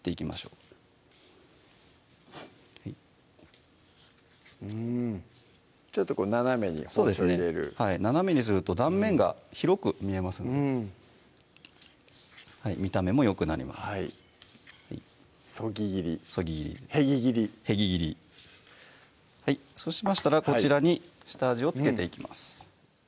うんちょっと斜めに包丁入れる斜めにすると断面が広く見えますので見た目もよくなりますはいそぎ切りそぎ切りへぎ切りへぎ切りそうしましたらこちらに下味を付けていきます